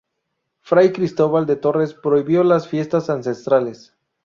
Fray Cristóbal de Torres prohibió las fiestas ancestrales.